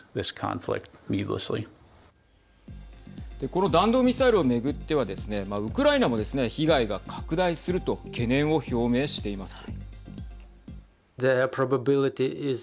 この弾道ミサイルを巡ってはですねウクライナもですね被害が拡大すると懸念を表明しています。